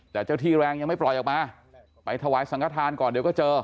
แต่เจ้าที่แรงยังไม่ปล่อยออกมาไปถวายสังฆฐานก่อนเดี๋ยวก็เจอ